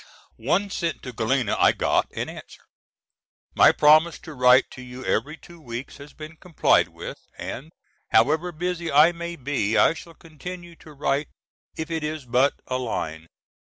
One sent to Galena I got and answered. My promise to write to you every two weeks has been complied with, and however busy I may be I shall continue to write if it is but a line.